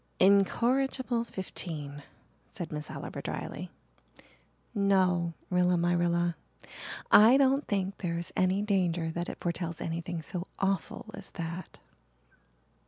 "Incorrigible fifteen!" said Miss Oliver dryly. "No, Rilla my Rilla, I don't think there is any danger that it foretells anything so awful as that."